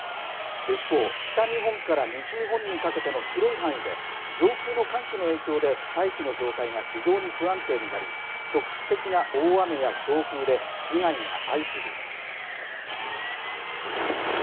一方、北日本から西日本にかけての広い範囲で、上空の寒気の影響で、大気の状態が非常に不安定になり、局地的な大雨や強風で、被害が相次いでいます。